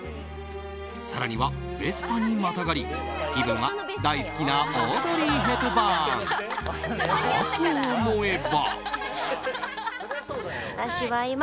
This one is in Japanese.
更にはベスパにまたがり気分は大好きなオードリー・ヘプバーン。かと思えば。